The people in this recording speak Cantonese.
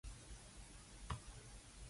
好愛國嗰堆勁人，全部都冇好下場